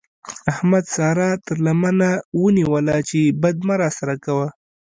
احمد سارا تر لمنه ونيوله چې بد مه راسره کوه.